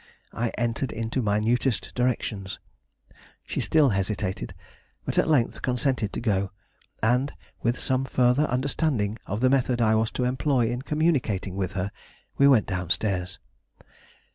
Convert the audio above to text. I entered into minutest directions. She still hesitated, but at length consented to go, and with some further understanding of the method I was to employ in communicating with her, we went down stairs.